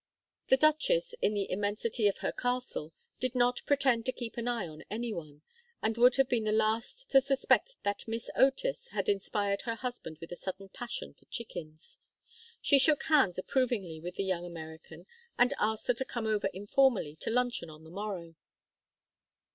The duchess, in the immensity of her castle, did not pretend to keep an eye on any one, and would have been the last to suspect that Miss Otis had inspired her husband with a sudden passion for chickens. She shook hands approvingly with the young American and asked her to come over informally to luncheon on the morrow.